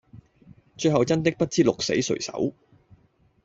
最後真不知鹿死誰手